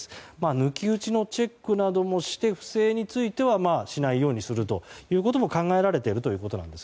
抜き打ちのチェックなどもして不正についてはしないようにするということも考えられていると。